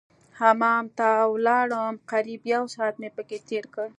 حمام ته ولاړم قريب يو ساعت مې پکښې تېر کړ.